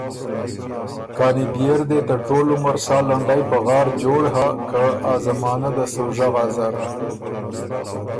کاني بيې ر دې ته ټول عمر سا لنډئ پغار جوړ هۀ، که ا زمانۀ ده سُو ژغا زر“